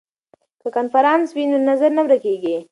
که کنفرانس وي نو نظر نه ورک کیږي.